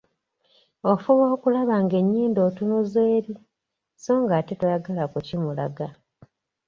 "Ofuba okulaba ng'ennyindo otunuza eri, so ng'ate toyagala kukimulaga."